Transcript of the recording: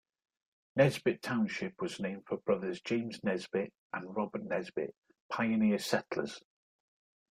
Nesbit Township was named for brothers James Nesbit and Robert Nesbit, pioneer settlers.